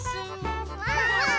ワンワーン！